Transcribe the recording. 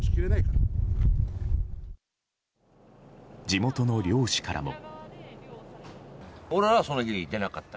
地元の漁師からも。